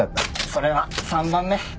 それは３番目。